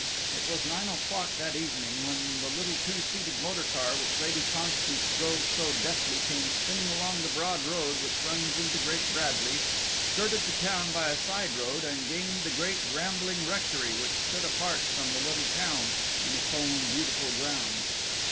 It was nine o'clock that evening when the little two seated motor car which Lady Constance drove so deftly came spinning along the broad road which runs into Great Bradley, skirted the town by a side road and gained the great rambling rectory which stood apart from the little town in its own beautiful grounds.